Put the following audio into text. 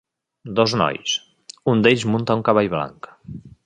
Dos nois, un d'ells munta un cavall blanc.